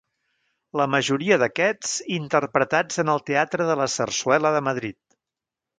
La majoria d'aquests interpretats en el Teatre de la Sarsuela de Madrid.